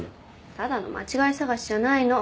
ただの間違い探しじゃないの。